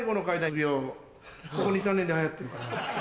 ここ２３年で流行ってるから。